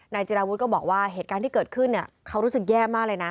จิราวุฒิก็บอกว่าเหตุการณ์ที่เกิดขึ้นเขารู้สึกแย่มากเลยนะ